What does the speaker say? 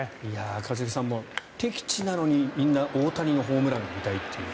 一茂さん、敵地なのにみんな大谷のホームランを見たいという。